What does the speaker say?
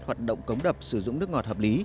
hoạt động cống đập sử dụng nước ngọt hợp lý